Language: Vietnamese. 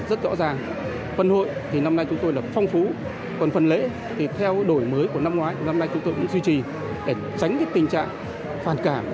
để tránh tình trạng phản cảm